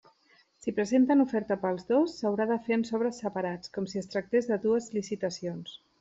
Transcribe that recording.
Si presenten oferta per als dos, s'haurà de fer en sobres separats com si es tractés de dues licitacions.